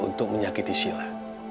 untuk menyakiti sila